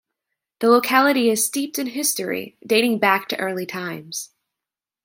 The locality is steeped in history, dating back to early times.